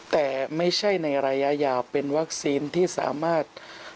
แต่ไม่ใช่ในระยะยาวเป็นวัคซีนที่สามารถ